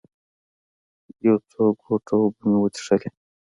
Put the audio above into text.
یو څو ګوټه اوبه مې وڅښلې.